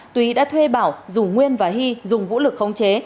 túy đã thuê bảo rủ nguyên và hy dùng vũ lực khống chế